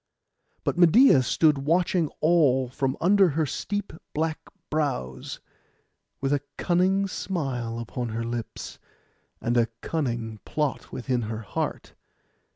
But Medeia stood watching all from under her steep black brows, with a cunning smile upon her lips, and a cunning plot within her heart.